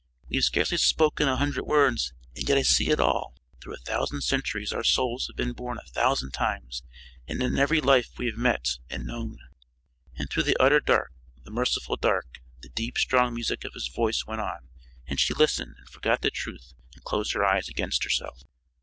We have scarcely spoken a hundred words and yet I see it all. Through a thousand centuries our souls have been born a thousand times and in every life we have met, and known " And through the utter dark, the merciful dark, the deep, strong music of his voice went on, and she listened, and forgot the truth and closed her eyes against herself.